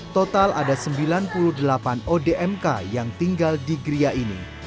total ada sembilan puluh delapan odmk yang tinggal di geria ini